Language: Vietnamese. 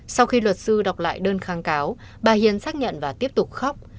sau khi luật sư đọc lại đơn kháng cáo bà hiền xác nhận và tiếp tục khóc